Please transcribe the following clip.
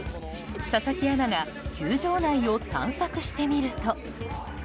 佐々木アナが球場内を探索してみると。